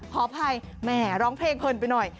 ขออภัยแหมร้องเพลงเพลินไปหน่อย